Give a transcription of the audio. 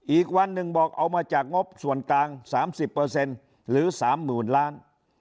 อีกวันหนึ่งบอกเอามาจากงบส่วนกลาง๓๐เปอร์เซ็นต์หรือ๓๐หมื่นล้าน